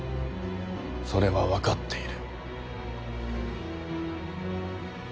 それは分かっている。